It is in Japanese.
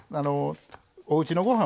おうちのご飯をね